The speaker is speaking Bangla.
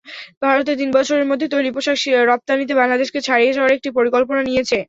ভারত তিন বছরের মধ্যে তৈরি পোশাক রপ্তানিতে বাংলাদেশকে ছাড়িয়ে যাওয়ার একটি পরিকল্পনা নিয়েছে।